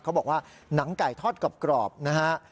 เขาบอกว่าหนังไก่ทอดกรอบนะฮะ